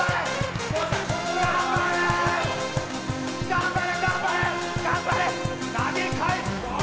頑張れ頑張れ頑張れ！投げ返す！